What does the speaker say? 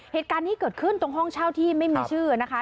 เหตุการณ์นี้เกิดขึ้นตรงห้องเช่าที่ไม่มีชื่อนะคะ